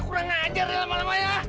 kurang ajar lama lama ya